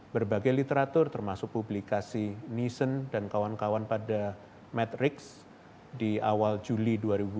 berbagai literatur termasuk publikasi nison dan kawan kawan pada matrix di awal juli dua ribu dua puluh